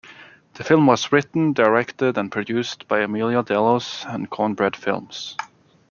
The film was written, directed and produced by Amelia Dellos and Corn Bred Films.